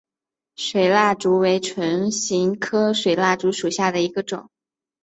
水蜡烛为唇形科水蜡烛属下的一个种。